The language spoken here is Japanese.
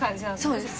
そうです。